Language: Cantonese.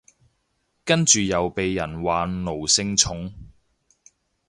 跟住又被人話奴性重